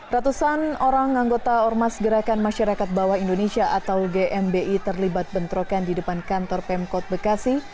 ratusan orang anggota ormas gerakan masyarakat bawah indonesia atau gmi terlibat bentrokan di depan kantor pemkot bekasi